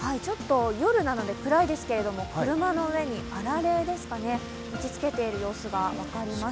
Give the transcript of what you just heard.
夜なので、暗いですが、車の上にあられですかね打ちつけている様子が分かります。